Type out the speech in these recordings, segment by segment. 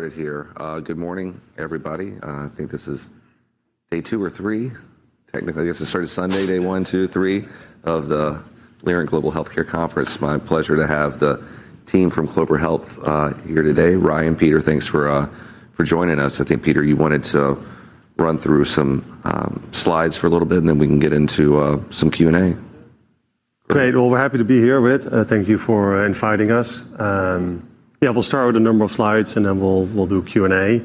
Good morning, everybody. I think this is day two or three. Technically, I guess it started Sunday, day one, two, three of the Leerink Global Healthcare Conference. My pleasure to have the team from Clover Health here today. Ryan, Peter, thanks for joining us. I think, Peter, you wanted to run through some slides for a little bit, and then we can get into some Q&A. Great. Well, we're happy to be here, Whit. Thank you for inviting us. Yeah, we'll start with a number of slides, and then we'll do Q&A.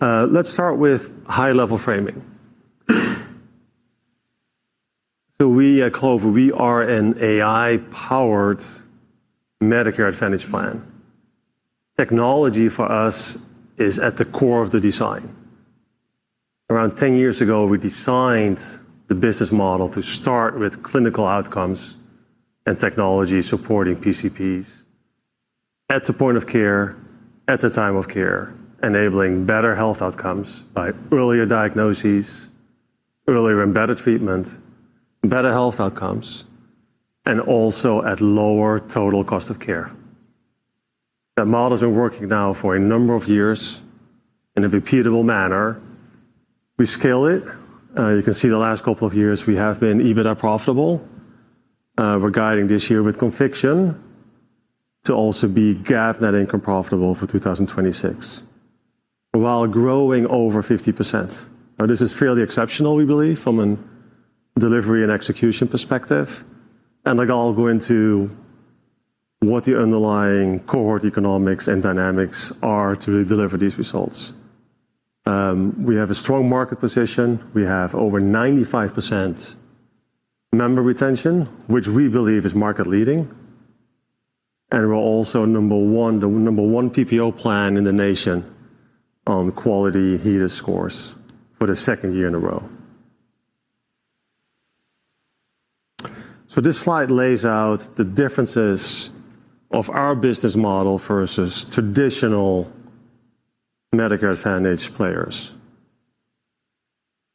Let's start with high-level framing. We at Clover, we are an AI-powered Medicare Advantage plan. Technology, for us, is at the core of the design. Around 10 years ago, we designed the business model to start with clinical outcomes and technology-supporting PCPs at the point of care, at the time of care, enabling better health outcomes by earlier diagnoses, earlier and better treatment, better health outcomes, and also at lower total cost of care. That model's been working now for a number of years in a repeatable manner. We scale it. You can see the last couple of years we have been EBITDA profitable. We're guiding this year with conviction to also be GAAP net income profitable for 2026, while growing over 50%. Now, this is fairly exceptional, we believe, from a delivery and execution perspective. Like I'll go into what the underlying cohort economics and dynamics are to deliver these results. We have a strong market position. We have over 95% member retention, which we believe is market-leading. We're also number one, the number one PPO plan in the nation on quality HEDIS scores for the second year in a row. This slide lays out the differences of our business model versus traditional Medicare Advantage players.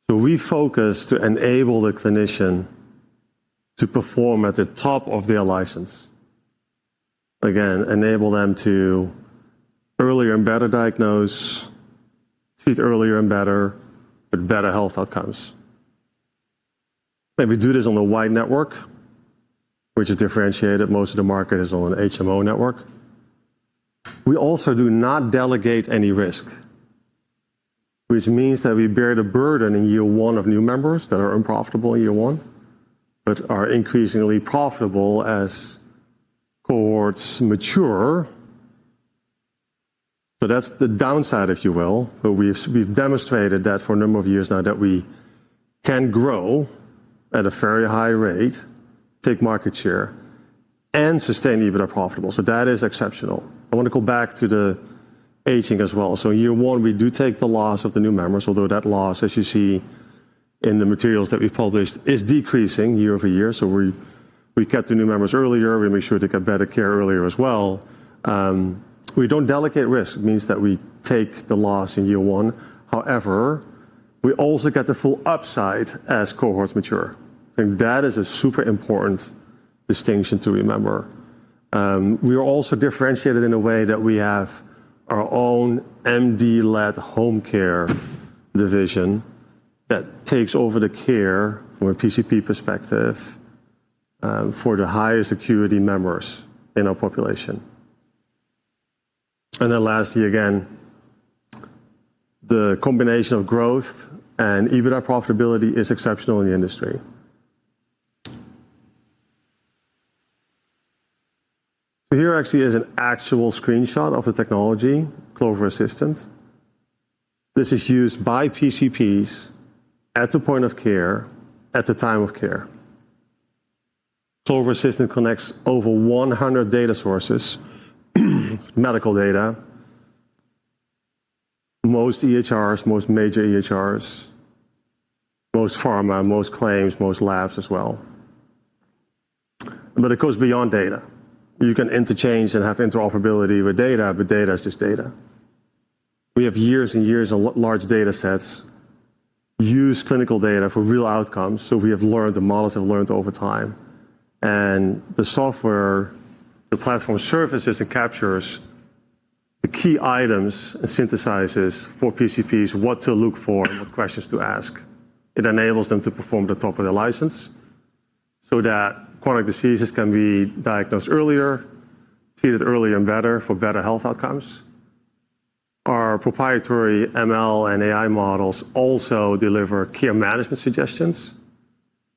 We focus to enable the clinician to perform at the top of their license. Again, enable them to earlier and better diagnose, treat earlier and better with better health outcomes. We do this on a wide network, which is differentiated. Most of the market is on an HMO network. We also do not delegate any risk, which means that we bear the burden in year one of new members that are unprofitable in year one, but are increasingly profitable as cohorts mature. That's the downside, if you will. We've demonstrated that for a number of years now that we can grow at a very high rate, take market share, and sustain EBITDA profitable. That is exceptional. I want to go back to the aging as well. Year one, we do take the loss of the new members, although that loss, as you see in the materials that we published, is decreasing year-over-year. We get the new members earlier, we make sure they get better care earlier as well. We don't delegate risk. It means that we take the loss in year one. However, we also get the full upside as cohorts mature. I think that is a super important distinction to remember. We are also differentiated in a way that we have our own MD-led home care division that takes over the care from a PCP perspective, for the highest acuity members in our population. Lastly, again, the combination of growth and EBITDA profitability is exceptional in the industry. Here actually is an actual screenshot of the technology, Clover Assistant. This is used by PCPs at the point of care, at the time of care. Clover Assistant connects over 100 data sources, medical data. Most EHRs, most major EHRs, most pharma, most claims, most labs as well. But it goes beyond data. You can interchange and have interoperability with data, but data is just data. We have years and years of large datasets, use clinical data for real outcomes, so we have learned. The models have learned over time. The software, the platform surfaces and captures the key items and synthesizes for PCPs what to look for and what questions to ask. It enables them to perform at the top of their license so that chronic diseases can be diagnosed earlier, treated earlier and better for better health outcomes. Our proprietary ML and AI models also deliver care management suggestions.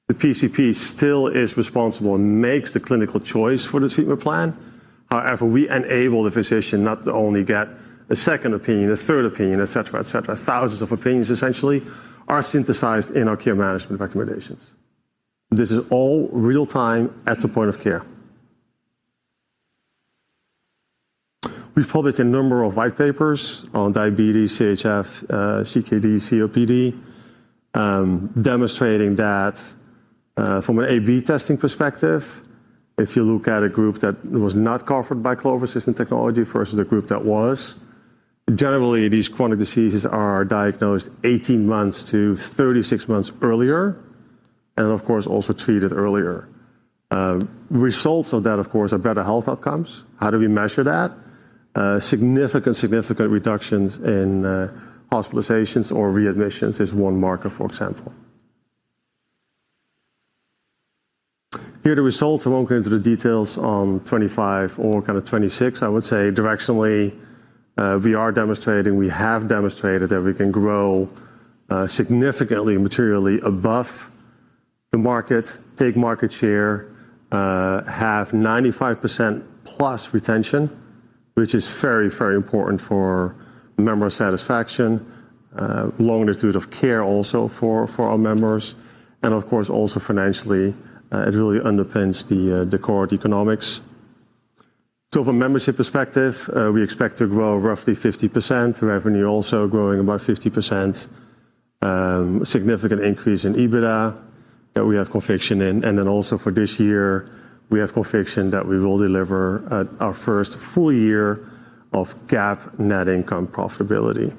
The PCP still is responsible and makes the clinical choice for the treatment plan. However, we enable the physician not to only get a second opinion, a third opinion, et cetera, et cetera. Thousands of opinions essentially are synthesized in our care management recommendations. This is all real-time at the point of care. We've published a number of white papers on diabetes, CHF, CKD, COPD, demonstrating that, from an A/B testing perspective, if you look at a group that was not covered by Clover Assistant technology versus a group that was, generally, these chronic diseases are diagnosed 18 months to 36 months earlier. Of course, also treated earlier. Results of that of course are better health outcomes. How do we measure that? Significant reductions in hospitalizations or readmissions is one marker, for example. Here are the results. I won't go into the details on 2025 or kind of 2026. I would say directionally, we are demonstrating, we have demonstrated that we can grow significantly, materially above the market, take market share, have 95% plus retention, which is very, very important for member satisfaction, longevity of care also for our members. Of course also financially, it really underpins the core economics. From a membership perspective, we expect to grow roughly 50%. Revenue also growing about 50%. Significant increase in EBITDA that we have conviction in. Then also for this year, we have conviction that we will deliver at our first full year of GAAP net income profitability.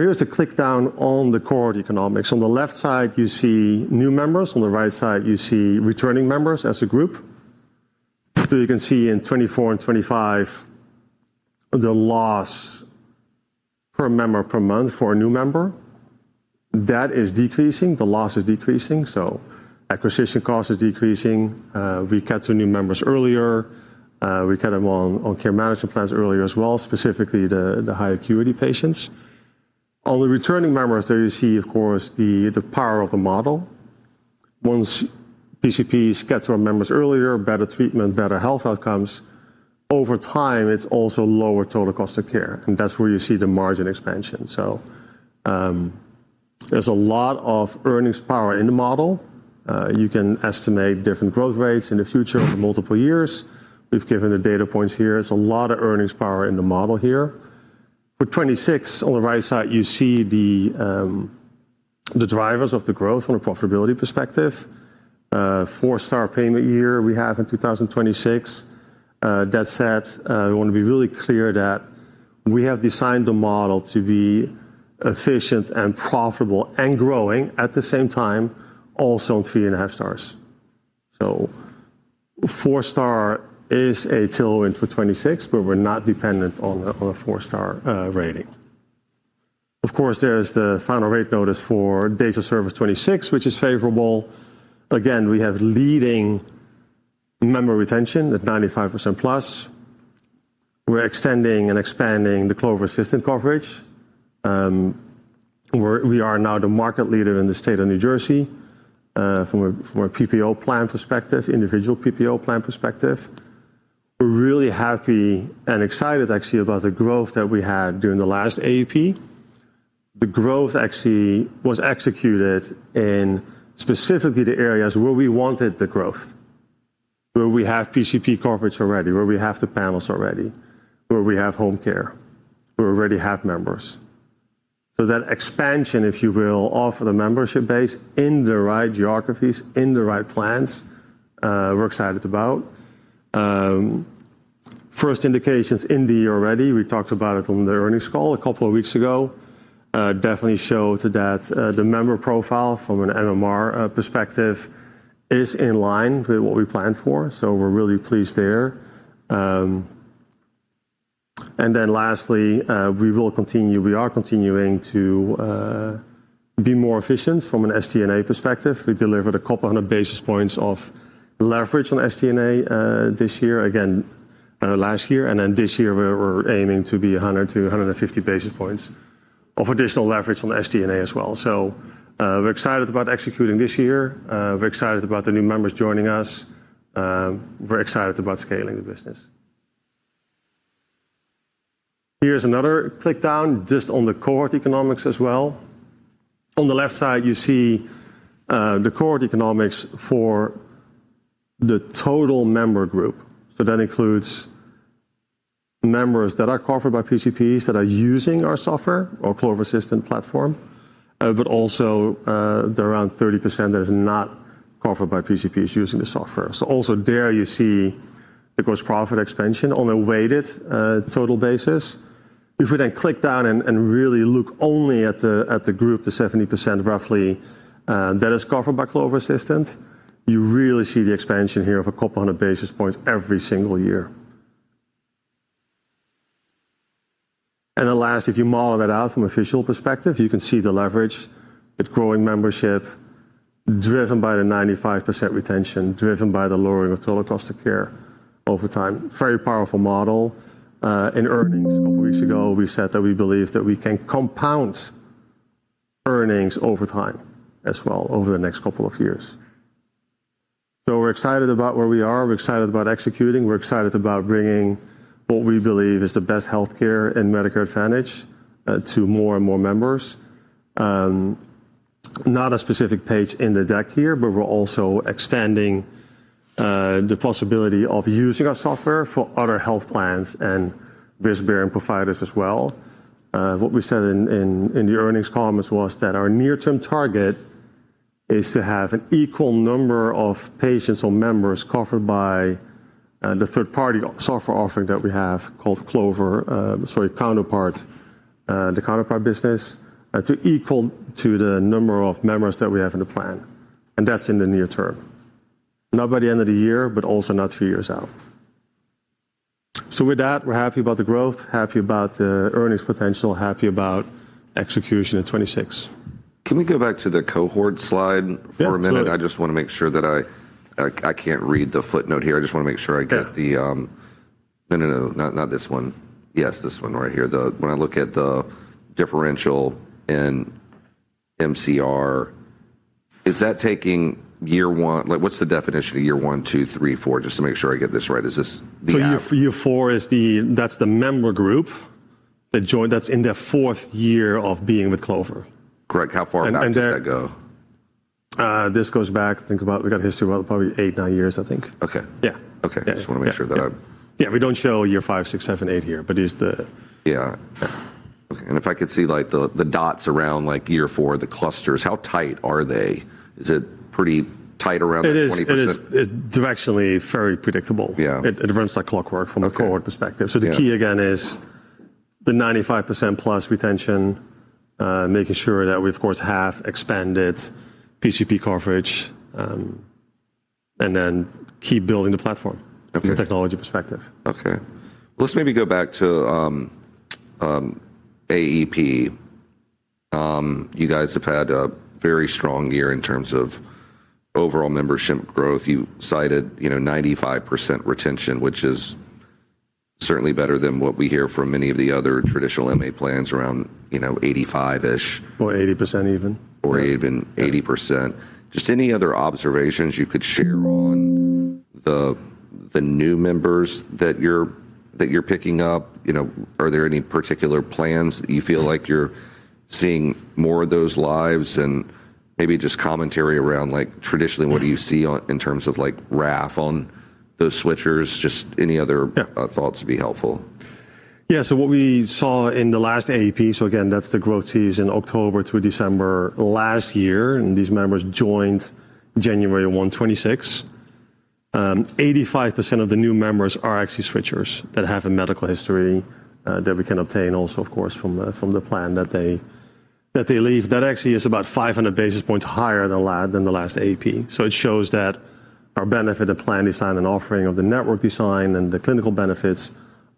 Here's the drill down on the core economics. On the left side, you see new members. On the right side, you see returning members as a group. You can see in 2024 and 2025, the loss per member per month for a new member, that is decreasing. The loss is decreasing, so acquisition cost is decreasing. We get to new members earlier. We get them on care management plans earlier as well, specifically the high acuity patients. On the returning members there you see of course the power of the model. Once PCPs get to our members earlier, better treatment, better health outcomes, over time, it's also lower total cost of care, and that's where you see the margin expansion. There's a lot of earnings power in the model. You can estimate different growth rates in the future over multiple years. We've given the data points here. There's a lot of earnings power in the model here. For 2026, on the right side, you see the drivers of the growth from a profitability perspective. Four-star payment year we have in 2026. That said, we want to be really clear that we have designed the model to be efficient and profitable and growing at the same time, also in three and a half stars. Four-star is a tailwind for 2026, but we're not dependent on a four-star rating. Of course, there's the final rate notice for date of service 2026, which is favorable. Again, we have leading member retention at 95% plus. We're extending and expanding the Clover Assistant coverage. We are now the market leader in the state of New Jersey from a PPO plan perspective, individual PPO plan perspective. We're really happy and excited actually about the growth that we had during the last AEP. The growth actually was executed in specifically the areas where we wanted the growth, where we have PCP coverage already, where we have the panels already, where we have home care, where we already have members. That expansion, if you will, of the membership base in the right geographies, in the right plans, we're excited about. First indications in the year already, we talked about it on the earnings call a couple of weeks ago, definitely show that the member profile from an MMR perspective is in line with what we planned for. We're really pleased there. We are continuing to be more efficient from an SG&A perspective. We delivered 200 basis points of leverage on SG&A this year. Again, last year and then this year we're aiming to be 100 to 150 basis points of additional leverage on SG&A as well. We're excited about executing this year. We're excited about the new members joining us. We're excited about scaling the business. Here's another click down just on the core economics as well. On the left side, you see the core economics for the total member group. That includes members that are covered by PCPs that are using our software or Clover Assistant platform. But also the around 30% that is not covered by PCPs using the software. Also there you see the gross profit expansion on a weighted total basis. If we then click down and really look only at the group, the 70% roughly that is covered by Clover Assistant, you really see the expansion here of a couple hundred basis points every single year. Last, if you model that out from a fiscal perspective, you can see the leverage. It's growing membership driven by the 95% retention, driven by the lowering of total cost of care over time. Very powerful model in earnings. A couple weeks ago, we said that we believe that we can compound earnings over time as well over the next couple of years. We're excited about where we are. We're excited about executing. We're excited about bringing what we believe is the best healthcare and Medicare Advantage to more and more members. Not a specific page in the deck here, but we're also extending the possibility of using our software for other health plans and risk-bearing providers as well. What we said in the earnings comments was that our near-term target is to have an equal number of patients or members covered by the third-party software offering that we have called Clover, sorry, Counterpart. The Counterpart business, to equal the number of members that we have in the plan, and that's in the near term. Not by the end of the year, but also not three years out. With that, we're happy about the growth, happy about the earnings potential, happy about execution in 2026. Can we go back to the cohort slide for a minute? Yeah, absolutely. I can't read the footnote here. I just want to make sure I get the Yeah. No. Not this one. Yes, this one right here. When I look at the differential in MCR, is that taking year one? Like, what's the definition of year one, two, three, four? Just to make sure I get this right. Is this the app? Year four is the member group that joined, that's in their fourth year of being with Clover. Correct. How far back does that go? This goes back, think about we got history about probably eight, nine years, I think. Okay. Yeah. Okay. Yeah. Just want to make sure that I'm. Yeah. We don't show year five, six, seven, eight here, but it's. Yeah. Yeah. Okay. If I could see, like, the dots around, like, year four, the clusters, how tight are they? Is it pretty tight around the 20%? It is directionally very predictable. Yeah. It runs like clockwork from a cohort perspective. Okay. Yeah. The key again is the 95% plus retention, making sure that we of course have expanded PCP coverage, and then keep building the platform. Okay From a technology perspective. Okay. Let's maybe go back to AEP. You guys have had a very strong year in terms of overall membership growth. You cited 95% retention, which is certainly better than what we hear from many of the other traditional MA plans around 85-ish. 80% even. Even 80%. Just any other observations you could share on the new members that you're picking up? Are there any particular plans that you feel like you're seeing more of those lives? Maybe just commentary around, like, traditionally what do you see in terms of, like, RAF on those switchers? Just any other Yeah Thoughts would be helpful. Yeah. What we saw in the last AEP, so again that's the growth season, October through December last year, and these members joined January 1, 2026. 85% of the new members are actually switchers that have a medical history that we can obtain also of course from the plan that they leave. That actually is about 500 basis points higher than the last AEP. It shows that our benefit plan design and offering of the network design and the clinical benefits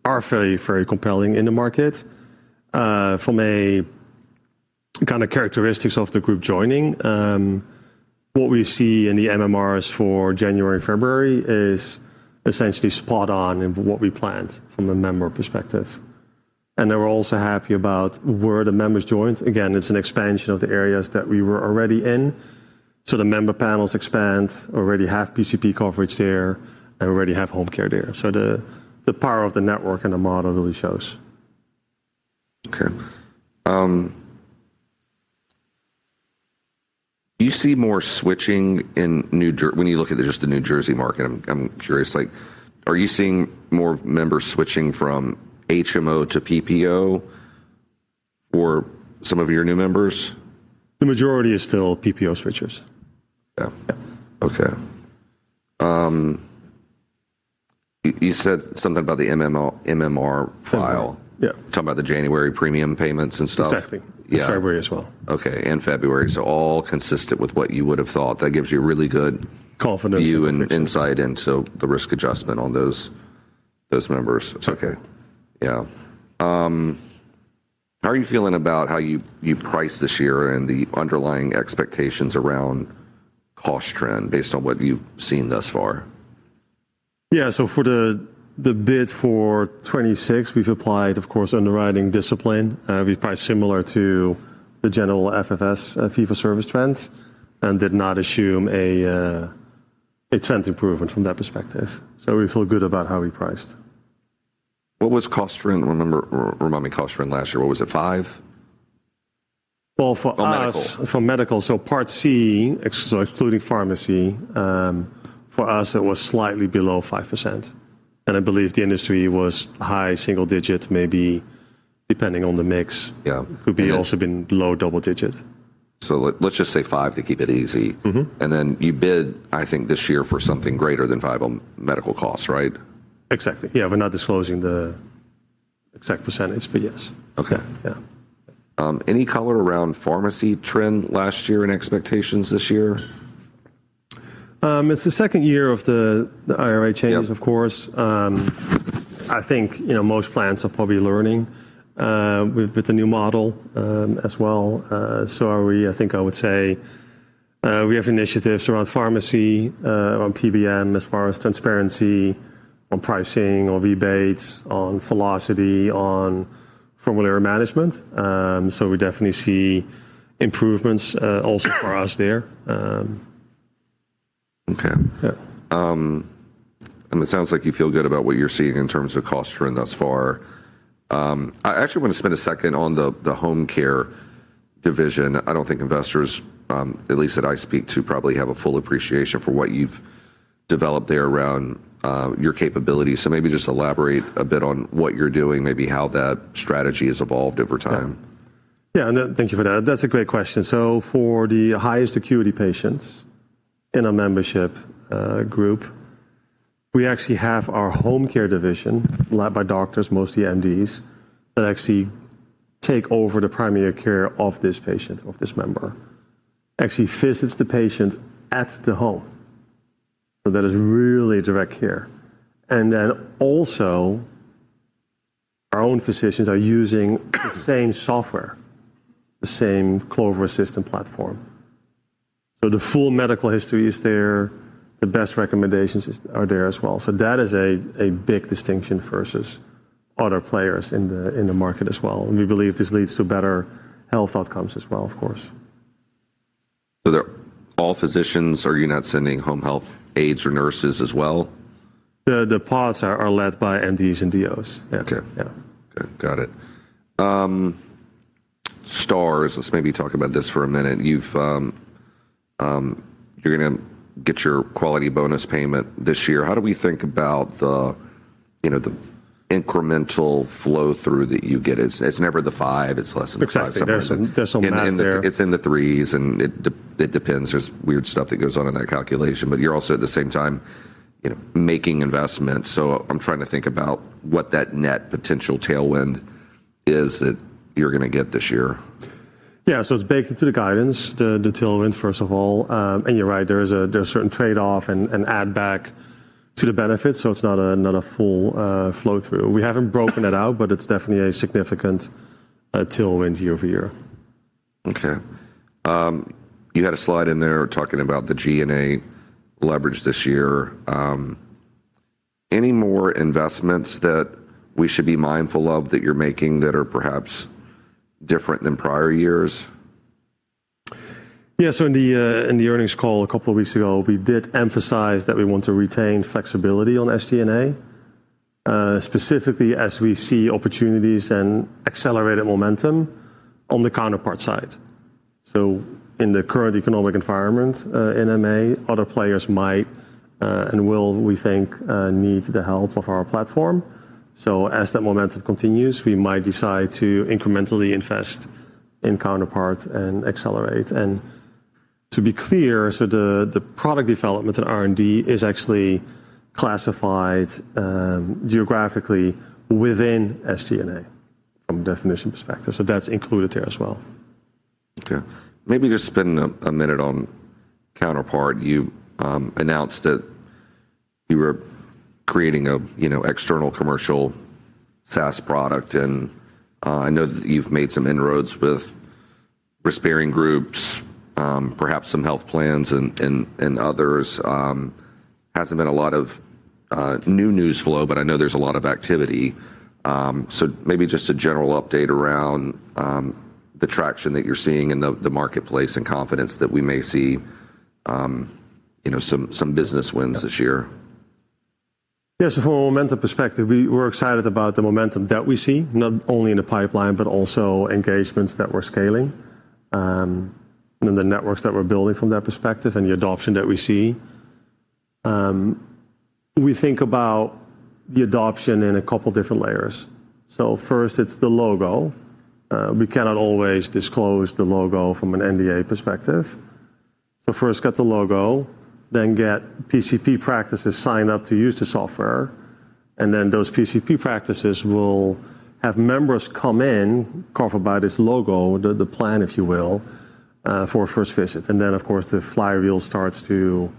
are very, very compelling in the market. From a kind of characteristics of the group joining, what we see in the MMRs for January and February is essentially spot on in what we planned from a member perspective. Then we're also happy about where the members joined. Again, it's an expansion of the areas that we were already in. The member panels expand. Already have PCP coverage there and already have home care there. The power of the network and the model really shows. Okay. Do you see more switching in New Jersey when you look at just the New Jersey market? I'm curious, like, are you seeing more members switching from HMO to PPO for some of your new members? The majority is still PPO switchers. Yeah. Yeah. Okay. You said something about the MMR file. February. Yeah. Talking about the January premium payments and stuff. Exactly. Yeah. February as well. Okay. February. All consistent with what you would have thought. That gives you a really good Confidence view view and insight into the risk adjustment on those members. Yes. Okay. Yeah. How are you feeling about how you priced this year and the underlying expectations around cost trend based on what you've seen thus far? Yeah. For the bid for 2026, we've applied, of course, underwriting discipline. It'd be probably similar to the general FFS fee for service trends, and did not assume a trend improvement from that perspective. We feel good about how we priced. What was cost trend? Remember, remind me, cost trend last year, what was it, 5%? Well, for us. On medical for medical, so part C, excluding pharmacy, for us it was slightly below 5%. I believe the industry was high single digits, maybe depending on the mix. Yeah. Could also be low double-digit. Let's just say five to keep it easy. Mm-hmm. You bid, I think, this year for something greater than five on medical costs, right? Exactly. Yeah, we're not disclosing the exact percentage, but yes. Okay. Yeah. Any color around pharmacy trend last year and expectations this year? It's the second year of the IRA changes. Yeah Of course. I think most plans are probably learning with the new model as well. Are we, I think I would say. We have initiatives around pharmacy, around PBM as far as transparency on pricing or rebates, on philosophy, on formulary management. We definitely see improvements also for us there. Okay. Yeah. I mean, it sounds like you feel good about what you're seeing in terms of cost trend thus far. I actually want to spend a second on the home care division. I don't think investors, at least that I speak to, probably have a full appreciation for what you've developed there around your capabilities. Maybe just elaborate a bit on what you're doing, maybe how that strategy has evolved over time. Yeah. Yeah, thank you for that. That's a great question. For the highest acuity patients in a membership group, we actually have our home care division led by doctors, mostly MDs, that actually take over the primary care of this patient, of this member, actually visits the patient at the home. That is really direct care. Then also our own physicians are using the same software, the same Clover Assistant platform. The full medical history is there. The best recommendations are there as well. That is a big distinction versus other players in the market as well. We believe this leads to better health outcomes as well, of course. They're all physicians. Are you not sending home health aides or nurses as well? The PODs are led by MDs and DOs. Yeah. Okay. Yeah. Okay. Got it. Stars. Let's maybe talk about this for a minute. You're going to get your quality bonus payment this year. How do we think about the the incremental flow through that you get? It's never the five, it's less than five somewhere- Exactly. There's some math there. It's in the threes, and it depends. There's weird stuff that goes on in that calculation, but you're also at the same time making investments. I'm trying to think about what that net potential tailwind is that you're going to get this year. Yeah. It's baked into the guidance, the tailwind, first of all. You're right, there's certain trade-off and add back to the benefits, so it's not a full flow through. We haven't broken it out, but it's definitely a significant tailwind year-over-year. Okay. You had a slide in there talking about the G&A leverage this year. Any more investments that we should be mindful of that you're making that are perhaps different than prior years? Yeah. In the earnings call a couple of weeks ago, we did emphasize that we want to retain flexibility on SG&A, specifically as we see opportunities and accelerated momentum on the Counterpart side. In the current economic environment, in MA, other players might and will, we think, need the help of our platform. As that momentum continues, we might decide to incrementally invest in Counterpart and accelerate. To be clear, the product development and R&D is actually classified geographically within SG&A from a definition perspective. That's included there as well. Okay. Maybe just spend a minute on Counterpart. You announced that you were creating a external commercial SaaS product, and I know that you've made some inroads with risk-bearing groups, perhaps some health plans and others. Hasn't been a lot of new news flow, but I know there's a lot of activity. Maybe just a general update around the traction that you're seeing in the marketplace and confidence that we may see some business wins this year. Yes. From a momentum perspective, we're excited about the momentum that we see, not only in the pipeline, but also engagements that we're scaling, and the networks that we're building from that perspective and the adoption that we see. We think about the adoption in a couple different layers. First it's the logo. We cannot always disclose the logo from an NDA perspective. First get the logo, then get PCP practices signed up to use the software, and then those PCP practices will have members come in covered by this logo, the plan, if you will, for a first visit. Of course, the flywheel starts to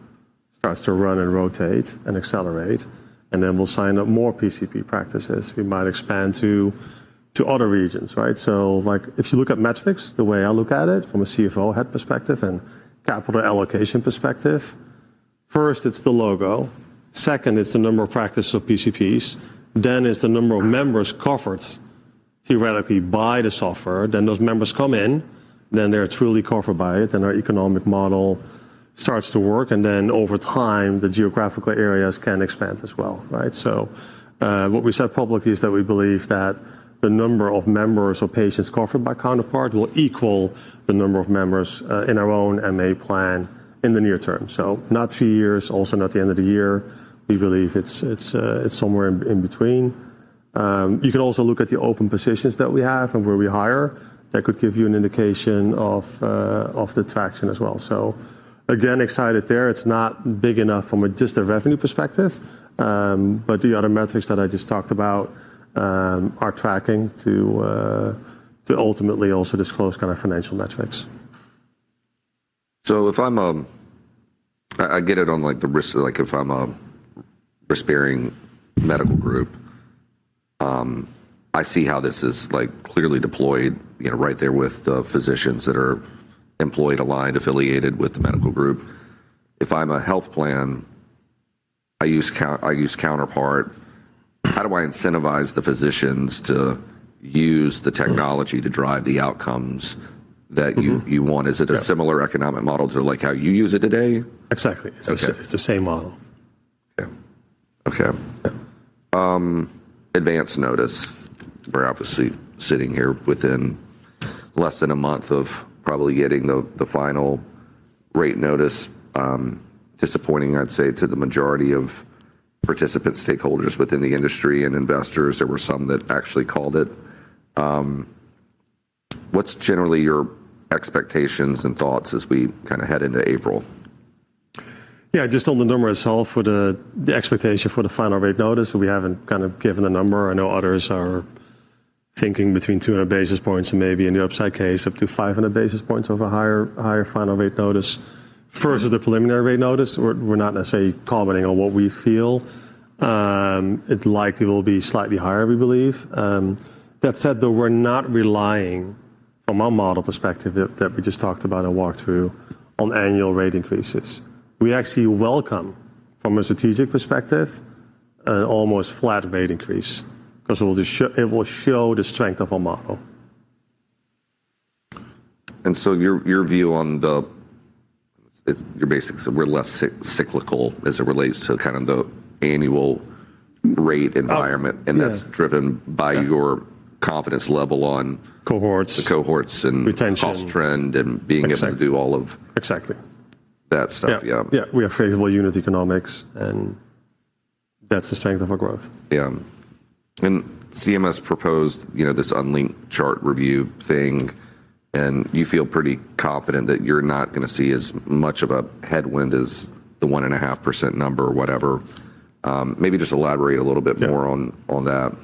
run and rotate and accelerate, and then we'll sign up more PCP practices. We might expand to other regions, right? Like, if you look at metrics, the way I look at it from a CFO head perspective and capital allocation perspective, first it's the logo. Second, it's the number of practices of PCPs, then it's the number of members covered theoretically by the software. Then those members come in, then they're truly covered by it, then our economic model starts to work, and then over time, the geographical areas can expand as well, right? What we said publicly is that we believe that the number of members or patients covered by Counterpart will equal the number of members in our own MA plan in the near term. Not three years, also not the end of the year. We believe it's somewhere in between. You can also look at the open positions that we have and where we hire. That could give you an indication of the traction as well. Again, excited there. It's not big enough from just a revenue perspective, but the other metrics that I just talked about are tracking to ultimately also disclose kind of financial metrics. I get it on, like, the risk, like, if I'm a risk-bearing medical group, I see how this is, like, clearly deployed right there with the physicians that are employed, aligned, affiliated with the medical group. If I'm a health plan, I use Counterpart. How do I incentivize the physicians to use the technology to drive the outcomes that you want? Is it a similar economic model to, like, how you use it today? Exactly. Okay. It's the same model. Okay. Advance notice. We're obviously sitting here within less than a month of probably getting the final rate notice, disappointing, I'd say, to the majority of participant stakeholders within the industry and investors. There were some that actually called it. What's generally your expectations and thoughts as we kinda head into April? Yeah, just on the number itself for the expectation for the final rate notice, we haven't kind of given a number. I know others are thinking between 200 basis points and maybe in the upside case, up to 500 basis points of a higher final rate notice. First is the preliminary rate notice. We're not necessarily commenting on what we feel. It likely will be slightly higher, we believe. That said, though, we're not relying from a model perspective that we just talked about and walked through on annual rate increases. We actually welcome from a strategic perspective, an almost flat rate increase 'cause it will show the strength of our model. Your view on the basics is, we're less cyclical as it relates to kind of the annual rate environment. Oh, yeah. that's driven by your confidence level on. Cohorts the cohorts and Retention cost trend and being able. Exactly ...to do all of- Exactly that stuff. Yeah. Yeah. We have favorable unit economics, and that's the strength of our growth. Yeah. CMS proposed this unlinked chart review thing, and you feel pretty confident that you're not going to see as much of a headwind as the 1.5% number or whatever. Maybe just elaborate a little bit more. Yeah on that.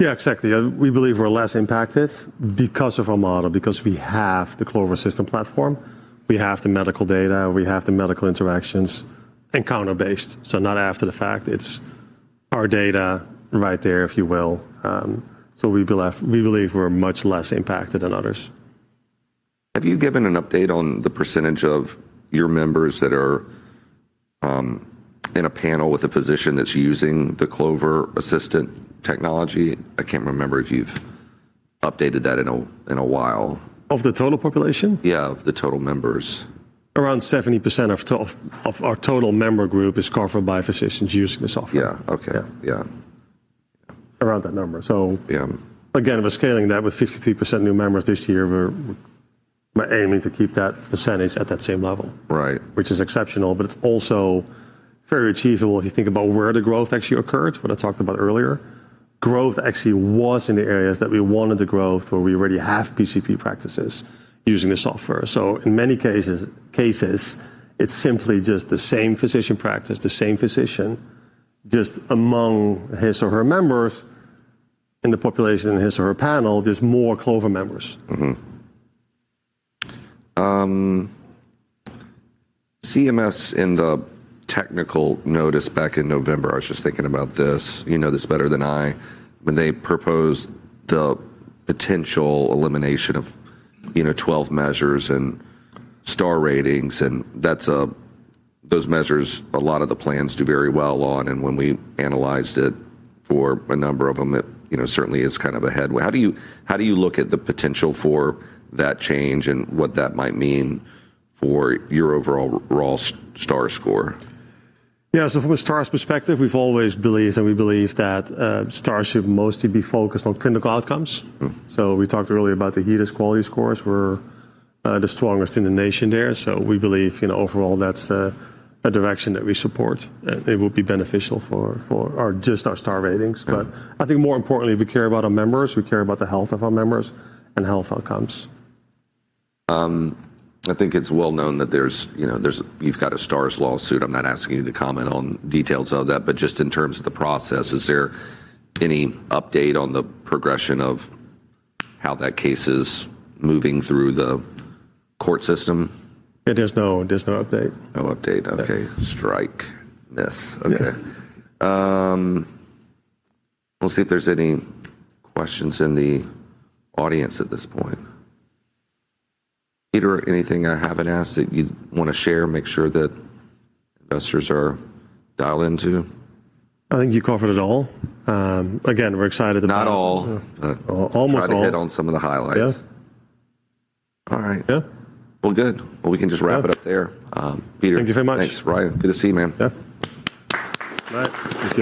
Yeah, exactly. We believe we're less impacted because of our model, because we have the Clover Assistant platform, we have the medical data, we have the medical interactions, encounter-based, so not after the fact. It's our data right there, if you will. We believe we're much less impacted than others. Have you given an update on the percentage of your members that are in a panel with a physician that's using the Clover Assistant technology? I can't remember if you've updated that in a while. Of the total population? Yeah, of the total members. Around 70% of our total member group is covered by physicians using the software. Yeah. Okay. Yeah. Yeah. Around that number. Yeah Again, we're scaling that with 53% new members this year. We're aiming to keep that percentage at that same level. Right Which is exceptional, but it's also very achievable if you think about where the growth actually occurred, what I talked about earlier. Growth actually was in the areas that we wanted the growth, where we already have PCP practices using the software. In many cases, it's simply just the same physician practice, the same physician, just among his or her members in the population in his or her panel, there's more Clover members. CMS in the technical notice back in November, I was just thinking about this, you know this better than I, when they proposed the potential elimination of 12 measures and star ratings and that's those measures a lot of the plans do very well on, and when we analyzed it for a number of them, it certainly is kind of a headwind. How do you look at the potential for that change and what that might mean for your overall raw star score? Yeah, from a Stars perspective, we've always believed, and we believe that, Stars should mostly be focused on clinical outcomes. Mm. We talked earlier about the HEDIS quality scores were the strongest in the nation there. We believe, you know, overall that's a direction that we support. It will be beneficial for our Star ratings. Yeah. I think more importantly, we care about our members, we care about the health of our members and health outcomes. I think it's well known that you've got a Stars lawsuit. I'm not asking you to comment on details of that, but just in terms of the process, is there any update on the progression of how that case is moving through the court system? There's no update. No update. Okay. Strike this. Yeah. Okay. We'll see if there's any questions in the audience at this point. Peter, anything I haven't asked that you'd want to share, make sure that investors are dialed into? I think you covered it all. Again, we're excited about. Not all. Almost all. Try to hit on some of the highlights. Yeah. All right. Yeah. Well, good. Well, we can just wrap it up there. Peter- Thank you very much. Thanks, Ryan. Good to see you, man. Yeah. Bye.